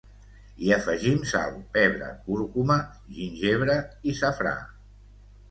Hi afegim sal, pebre, cúrcuma, gingebre i safrà.